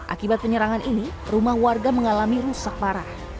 akibat penyerangan ini rumah warga mengalami rusak parah